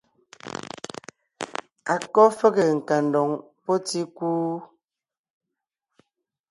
A kɔ́ fege nkandoŋ pɔ́ tíkú?